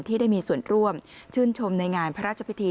ที่ได้มีส่วนร่วมชื่นชมในงานพระราชพิธี